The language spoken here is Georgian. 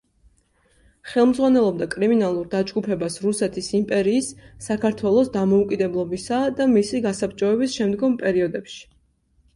ხელმძღვანელობდა კრიმინალურ დაჯგუფებას რუსეთის იმპერიის, საქართველოს დამოუკიდებლობისა და მისი გასაბჭოების შემდგომ პერიოდებში.